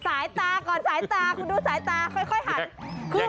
สายตาก่อนสายตาคุณดูสายตาค่อยหันขึ้น